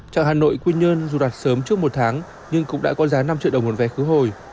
trạng hà nội quy nhơn dù đoạt sớm trước một tháng nhưng cũng đã có giá năm triệu đồng một vé khứ hồi